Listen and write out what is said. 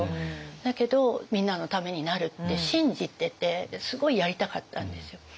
だけどみんなのためになるって信じててすごいやりたかったんですよ。